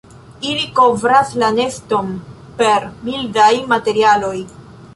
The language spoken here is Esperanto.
Ili kovras la neston per mildaj materialoj.